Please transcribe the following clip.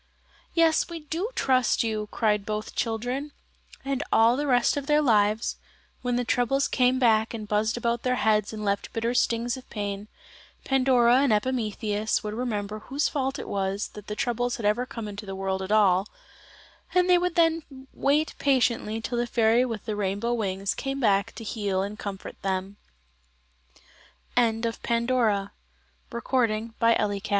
"Yes, we do trust you," cried both children. And all the rest of their lives when the troubles came back and buzzed about their heads and left bitter stings of pain, Pandora and Epimetheus would remember whose fault it was that the troubles had ever come into the world at all, and they would then wait patiently till the fairy with the rainbow wings came back to